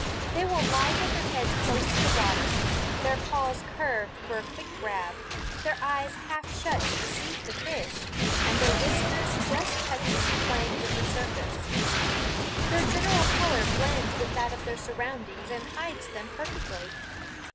They will lie with their heads close to the water, their paws curved for a quick grab, their eyes half shut to deceive the fish, and their whiskers just touching and playing with the surface. Their general color blends with that of their surroundings and hides them perfectly.